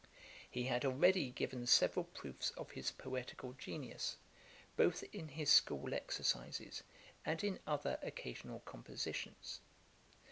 He had already given several proofs of his poetical genius, both in his school exercises and in other occasional compositions.